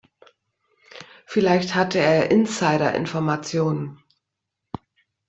Vielleicht hatte er Insiderinformationen.